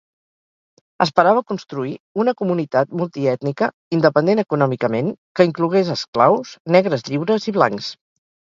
Esperava construir una comunitat multiètnica, independent econòmicament, que inclogués esclaus, negres lliures i blancs.